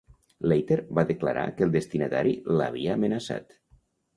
Leiter va declarar que el destinatari l'havia amenaçat.